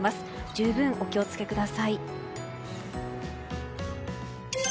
十分お気を付けください。